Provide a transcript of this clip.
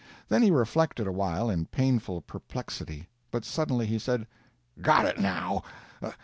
Then he reflected awhile in painful perplexity, but suddenly he said: "Got it now!